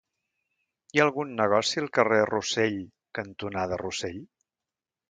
Hi ha algun negoci al carrer Rossell cantonada Rossell?